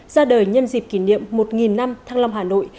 ra đời nhân dịp kỷ niệm một năm thăng long hà nội